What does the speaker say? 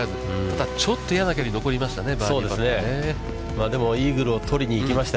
ただ、ちょっと嫌な距離が残りましたね。